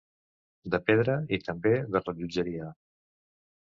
De pedra, i també de rellotgeria.